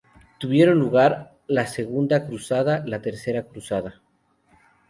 Tuvieron lugar la Segunda Cruzada, la Tercera Cruzada.